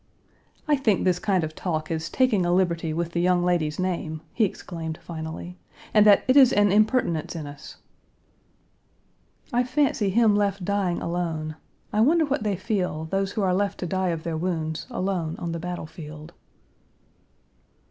"I think this kind of talk is taking a liberty with the young lady's name," he exclaimed finally, "and that it is an impertinence in us." I fancy him left dying alone! I wonder what they feel those who are left to die of their wounds alone on the battle field.